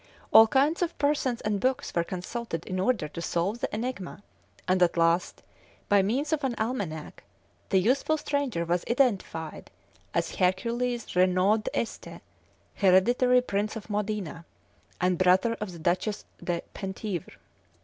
All kinds of persons and books were consulted in order to solve the enigma; and at last, by means of an almanac, the youthful stranger was identified as Hercules Renaud D'Este, hereditary Prince of Modena, and brother of the Duchess de Penthièvre.